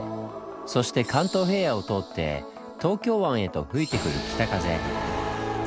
そして関東平野を通って東京湾へと吹いてくる北風。